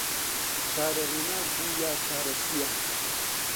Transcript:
چارە ڕووناک بوو یا چارە سیا